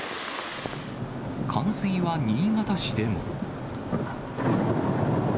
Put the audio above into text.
冠水は新潟市でも。